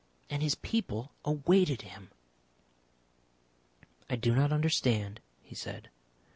And his people awaited him! "I do not understand," he said.